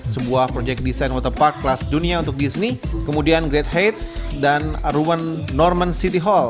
sebuah proyek desain waterpark kelas dunia untuk disney kemudian grade hates dan ruwen norman city hall